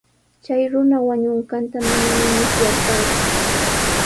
Chay runa wañunqanta manami musyarqaaku.